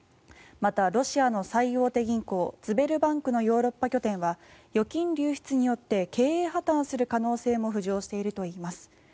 また、ロシアの最大手銀行ズベルバンクのヨーロッパ拠点は預金流出によって経営破たんする可能性も浮上しているといいます。